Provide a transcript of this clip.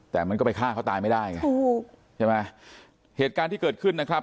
แต่มันก็ไปฆ่าเขาตายไม่ได้ไงถูกใช่ไหมเหตุการณ์ที่เกิดขึ้นนะครับ